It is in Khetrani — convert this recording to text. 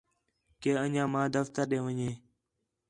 کہ انڄیاں ماں دفتر ݙے ون٘ڄے